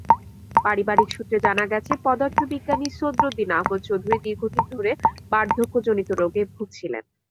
পারিবারিক সূত্রে জানা গেছে, পদার্থবিজ্ঞানী ছদরুদ্দিন আহমদ চৌধুরী দীর্ঘদিন ধরে বার্ধক্যজনিত রোগে ভুগছিলেন।